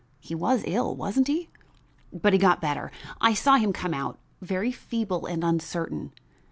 He was ill, wasn't he? but he got better. I saw him come out, very feeble and uncertain.